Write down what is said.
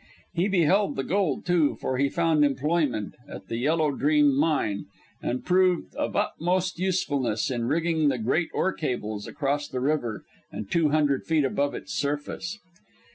He beheld the gold, too, for he found employment at the Yellow Dream mine, and proved of utmost usefulness in rigging the great ore cables across the river and two hundred feet above its surface.